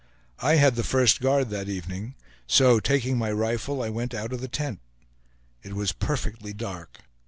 I had the first guard that evening; so, taking my rifle, I went out of the tent. It was perfectly dark.